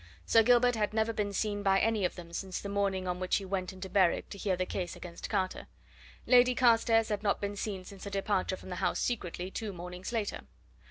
Sir Gilbert had never been seen by any of them since the morning on which he went into Berwick to hear the case against Carter: Lady Carstairs had not been seen since her departure from the house secretly, two mornings later.